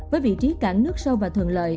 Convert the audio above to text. với vị trí cảng nước sâu và thường lợi